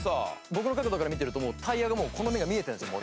僕の角度から見てるとタイヤがもうこの面が見えてたんですよ